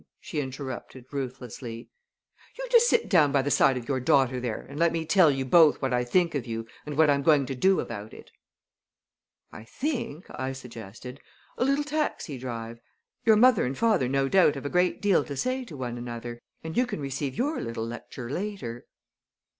she interrupted ruthlessly. "You just sit down by the side of your daughter there and let me tell you both what I think of you and what I'm going to do about it." "I think," I suggested, "a little taxi drive Your mother and father no doubt have a great deal to say to one another, and you can receive your little lecture later."